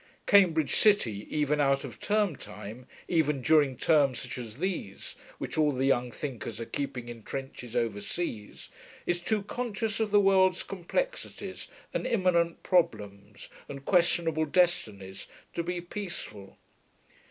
Cambridge city, even out of term time, even during terms such as these, which all the young thinkers are keeping in trenches overseas, is too conscious of the world's complexities and imminent problems and questionable destinies, to be peaceful.